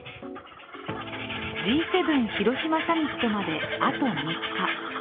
Ｇ７広島サミットまで、あと３日。